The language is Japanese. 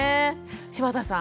柴田さん